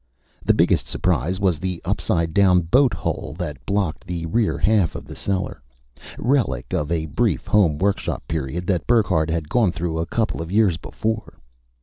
The biggest surprise was the upside down boat hull that blocked the rear half of the cellar, relic of a brief home workshop period that Burckhardt had gone through a couple of years before.